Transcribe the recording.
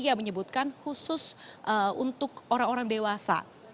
ia menyebutkan khusus untuk orang orang dewasa